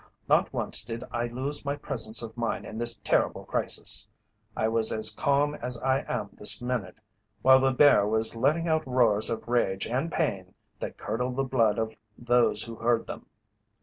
Not once did I lose my presence of mind in this terrible crisis. I was as calm as I am this minute, while the bear was letting out roars of rage and pain that curdled the blood of those who heard them.